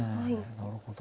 なるほど。